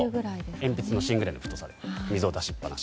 鉛筆の芯ぐらいの太さで水を出しっぱなし。